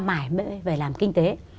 mãi mới về làm kinh tế